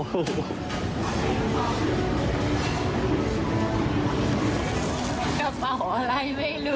กระเป๋าอะไรไม่รู้